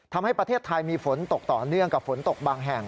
ทำให้ประเทศไทยมีฝนตกต่อเนื่องกับฝนตกบางแห่ง